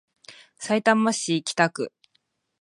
さいたま市北区